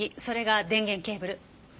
それが電源ケーブル。